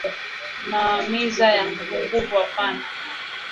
Ma miza yanguvunguvu apana